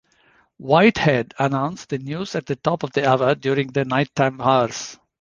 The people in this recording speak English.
Whitehead announced the news at the top of the hour during the nighttime hours.